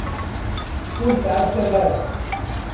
Ur ttɛassam ara.